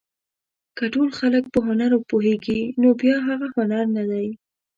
که ټول خلک په هنر وپوهېږي نو بیا هغه هنر نه دی.